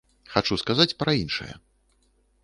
Хачу сказаць пра іншае.